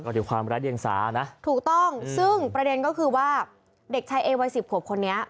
ก็ถือความร้ายเดียงสานะถูกต้องซึ่งประเด็นก็คือว่าเด็กชายเอวัยสิบขวบคนนี้